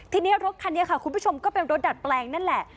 ทีนี้รถคันนี้ค่ะคุณผู้ชมก็เป็นรถดัดแปลงนั่นแหละ